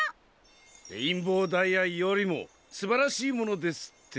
レインボーダイヤよりもすばらしいものですって？